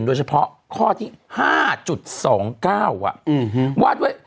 โดยเฉพาะข้อที่๕๒๙ว่าด้วย